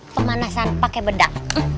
pemanasan pakai bedak